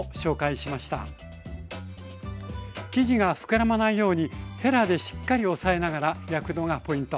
生地がふくらまないようにへらでしっかり押えながら焼くのがポイント。